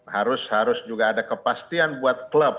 harus harus juga ada kepastian buat klub